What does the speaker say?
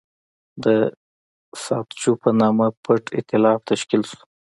د ساتچو په نامه پټ اېتلاف تشکیل شو.